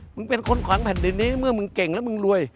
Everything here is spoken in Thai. เป็นคนขวางแผ่นดินนี้เมื่อมึงเก่งแล้วมึงรวย